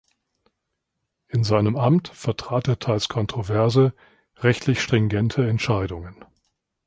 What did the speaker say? In seinem Amt vertrat er teils kontroverse, rechtlich-stringente Entscheidungen.